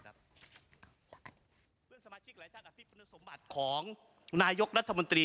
เพื่อนสมาชิกหลายท่านอภิปคุณสมบัติของนายกรัฐมนตรี